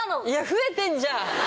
増えてんじゃん！